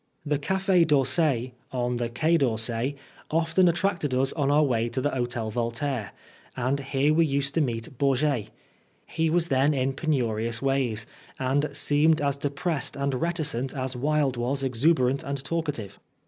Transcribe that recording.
The Cafe d'Orsay, on the Quai d'Orsay, often attracted us on our way to the Hotel Voltaire, and here we also used to meet Bourget. He was then in penurious days, and seemed as depressed and reticent as Wilde was exuberant and talkative.